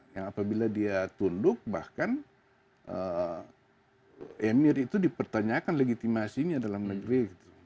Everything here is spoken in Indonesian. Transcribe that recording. yang apabila dia tunduk bahkan emir itu dipertanyakan legitimasinya dalam negeri